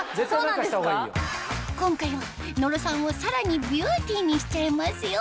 今回は野呂さんをさらにビューティーにしちゃいますよ